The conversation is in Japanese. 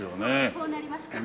そうなりますか。